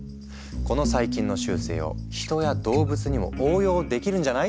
「この細菌の習性を人や動物にも応用できるんじゃない？」